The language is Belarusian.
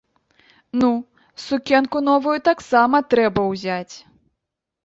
Ну, сукенку новую таксама трэба ўзяць.